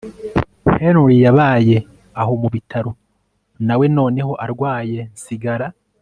Henry yabaye aho mubitaro nawe noneho arwaye nsigara